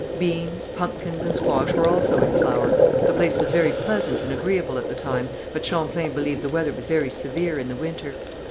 Beans, pumpkins and squash were also in flower. The place was very pleasant and agreeable at the time, but Champlain believed the weather was very severe in the winter.